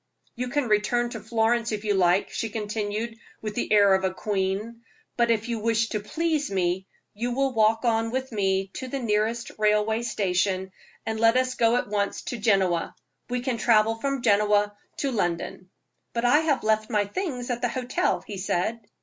"You can return to Florence, if you like," she continued, with the air of a queen; "but if you wish to please me, you will walk on with me to the nearest railway station, and let us go at once to Genoa. We can travel from Genoa to London." "But I have left my things at the hotel," he said.